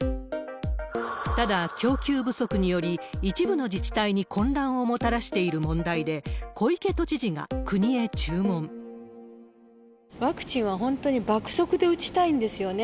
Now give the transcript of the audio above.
ただ、供給不足により、一部の自治体に混乱をもたらしている問題で、ワクチンは本当に爆速で打ちたいんですよね。